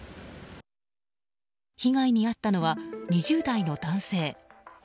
被害に遭ったのは２０代の男性。